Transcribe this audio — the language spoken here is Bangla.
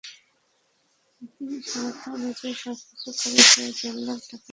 তিনি সামর্থ্য অনুযায়ী সবকিছু করে প্রায় দেড় লাখ টাকা খরচ করেছেন।